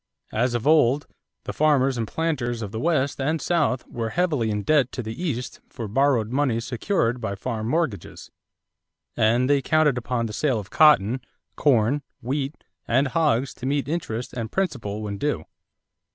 As of old, the farmers and planters of the West and South were heavily in debt to the East for borrowed money secured by farm mortgages; and they counted upon the sale of cotton, corn, wheat, and hogs to meet interest and principal when due.